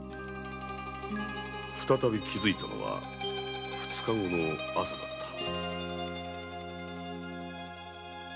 再び気づいたのは二日後の朝だった。